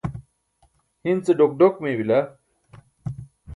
hin ce ḍok ḍok mey bila